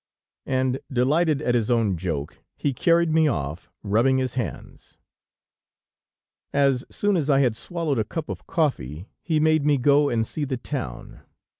And delighted at his own joke, he carried me off, rubbing his hands. As soon as I had swallowed a cup of coffee, he made me go and see the town.